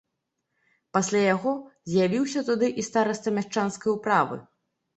Пасля яго з'явіўся туды і стараста мяшчанскай управы.